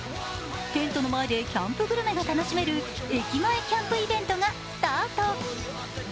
テントの前でキャンプグルメが楽しめる駅前キャンプイベントがスタート。